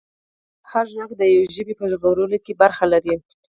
هر غږ د یوې ژبې په ژغورلو کې ونډه لري.